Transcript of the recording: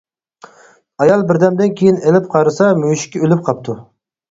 ئايال بىردەمدىن كېيىن ئېلىپ قارىسا مۈشۈكى ئۆلۈپ قاپتۇ.